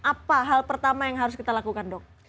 apa hal pertama yang harus kita lakukan dok